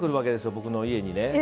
僕の家にね。